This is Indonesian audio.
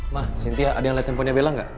ma sintia ada yang liat handphonenya bella gak